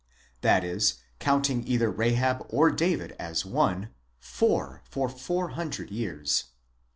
), that is, counting either Rahab or David as one, four for 400 years.